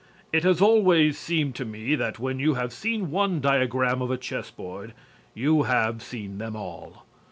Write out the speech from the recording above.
It has always seemed to me that when you have seen one diagram of a chessboard you have seen them all.